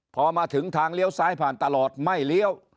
พอมาถึงทางเลี้ยวซ้ายผ่านตลอดไม่เลี้ยว